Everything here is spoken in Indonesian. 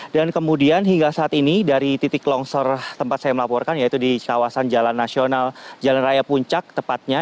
dan kemudian hingga saat ini dari titik longsor tempat saya melaporkan yaitu di kawasan jalan nasional jalan raya puncak tepatnya